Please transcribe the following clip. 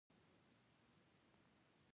غیر فعال کس څنګه ښکاري